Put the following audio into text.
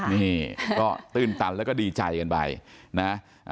นี่ก็ตื้นตันแล้วก็ดีใจกันไปนะ